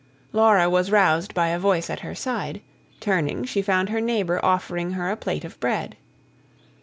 Laura was roused by a voice at her side; turning, she found her neighbour offering her a plate of bread.